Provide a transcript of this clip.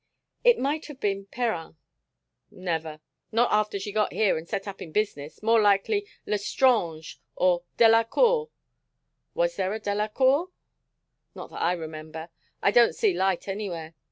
"It might have been Perrin." "Never. Not after she got here and set up in business. More likely Lestrange or Delacourt " "Was there a Delacourt?" "Not that I remember. I don't see light anywhere.